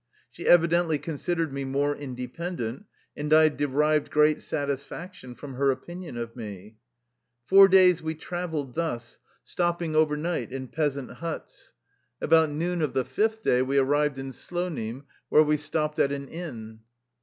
She evi dently considered me more independent, and I derived great satisfaction from her opinion of me. Four days we traveled thus, stopping over 30 THE LIFE STORY OF A EUSSIAN EXILE night in peasant huts. About noon of the fifth day we arrived in Slonim where we stopped at an inn.